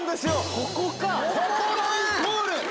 ここのイコール！